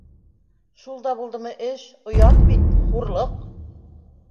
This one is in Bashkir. Шул да булдымы эш? Оят бит, хур- Лыҡ